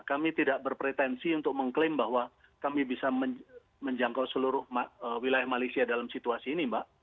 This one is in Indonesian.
kami tidak berpretensi untuk mengklaim bahwa kami bisa menjangkau seluruh wilayah malaysia dalam situasi ini mbak